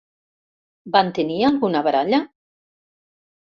Van tenir alguna baralla?